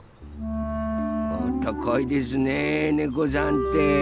あったかいですねねこさんって。